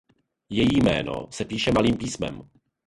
Její jméno se píše malým písmem.